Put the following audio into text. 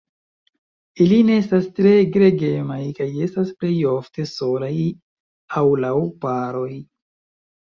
Ili ne estas tre gregemaj kaj estas plej ofte solaj aŭ laŭ paroj.